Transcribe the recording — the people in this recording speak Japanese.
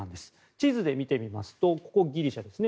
地図で見てみますとここがギリシャですね。